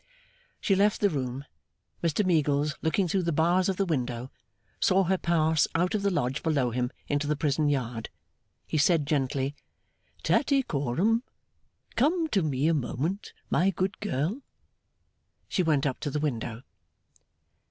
She left the room. Mr Meagles, looking through the bars of the window, saw her pass out of the Lodge below him into the prison yard. He said gently, 'Tattycoram, come to me a moment, my good girl.' She went up to the window.